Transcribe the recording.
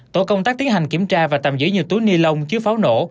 tổ công tác tiến hành kiểm tra và tạm giữ nhiều túi ni lông chứa pháo nổ